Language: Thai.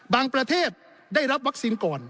ประเทศได้รับวัคซีนก่อน